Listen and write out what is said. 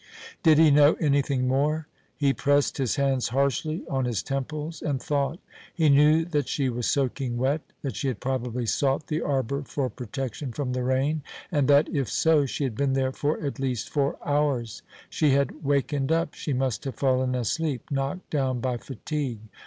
Did he know anything more? He pressed his hands harshly on his temples and thought. He knew that she was soaking wet, that she had probably sought the arbour for protection from the rain, and that, if so, she had been there for at least four hours. She had wakened up. She must have fallen asleep, knocked down by fatigue.